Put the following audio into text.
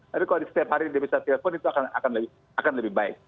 tapi kalau setiap hari diisi telepon itu akan lebih baik